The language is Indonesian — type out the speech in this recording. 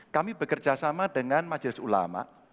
kami bekerja sama dengan majelis ulama